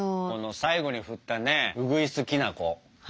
この最後に振ったねうぐいすきな粉。